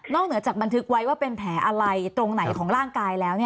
เหนือจากบันทึกไว้ว่าเป็นแผลอะไรตรงไหนของร่างกายแล้ว